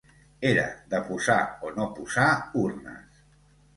Era de posar o no posar urnes.